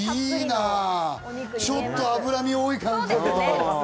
ちょっと脂身、多い感じ。